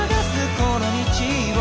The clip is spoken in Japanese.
この道を」